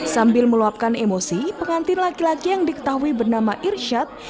sambil meluapkan emosi pengantin laki laki yang diketahui bernama irsyad